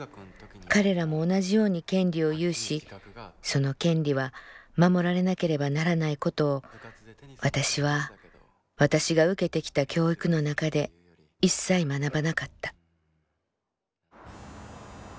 彼らも同じように権利を有しその権利は守られなければならないことを私は私が受けてきた教育の中でいっさい学ばなかった」。